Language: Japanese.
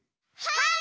はい！